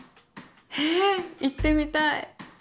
ええ行ってみたい。